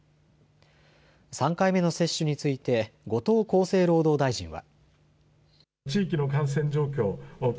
３回目の接種について、後藤厚生労働大臣は。